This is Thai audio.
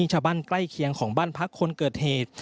ใกล้เคียงของบ้านพักคนเกิดเหตุ